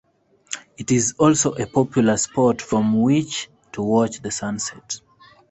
It is also a popular spot from which to watch the sun set.